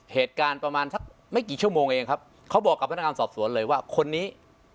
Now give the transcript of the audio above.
เหตุการณ์ประมาณสักไม่กี่ชั่วโมงเองครับเขาบอกกับพนักงานสอบสวนเลยว่าคนนี้